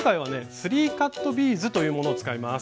スリーカットビーズというものを使います。